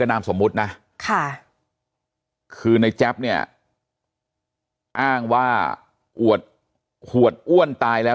นามสมมุตินะค่ะคือในแจ๊บเนี่ยอ้างว่าอวดขวดอ้วนตายแล้ว